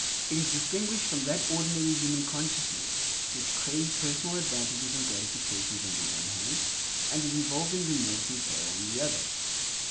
It is distinguished from that ordinary human consciousness, which craves personal advantages and gratifications on the one hand, and is involved in remorse and sorrow on the other.